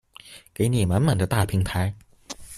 給你滿滿的大平台